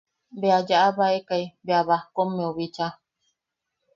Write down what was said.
Bea yaʼabaekai bea bajkommeu bicha.